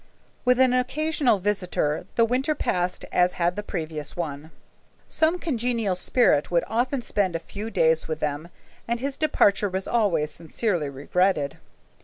With an occasional visitor, the winter passed as had the previous one. Some congenial spirit would often spend a few days with them, and his departure was always sincerely regretted.